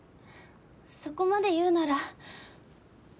そこまで言うなら。